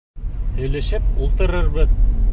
Һөйләшеп ултырырбыҙ.